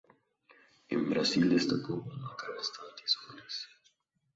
En Brasil destacó por marcar bastantes goles.